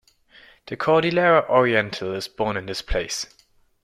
The Cordillera Oriental is born in this place.